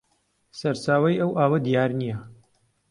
سەرچاوەی ئەو ئاوە دیار نییە